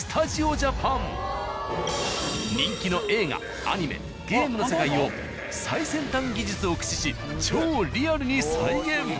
人気の映画・アニメ・ゲームの世界を最先端技術を駆使し超リアルに再現。